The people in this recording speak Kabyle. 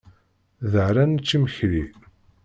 Da ara nečč imekli.